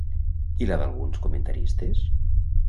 I la d'alguns comentaristes?